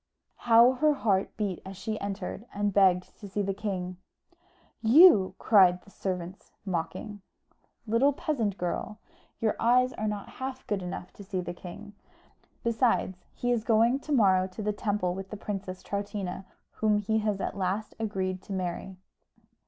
How her heart beat as she entered, and begged to see the king! "You!" cried the servants mocking. "Little peasant girl, your eyes are not half good enough to see the king. Besides, he is going to morrow to the temple with the Princess Troutina, whom he has at last agreed to marry."